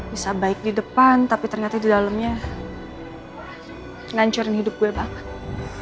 bisa baik di depan tapi ternyata di dalamnya ngancurin hidup gue banget